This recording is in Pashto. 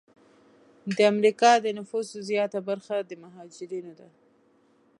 د امریکا د نفوسو زیاته برخه د مهاجرینو ده.